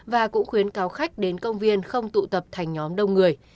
và cũng khuyến cáo khách đến công viên không tụ tập thành nhóm đông người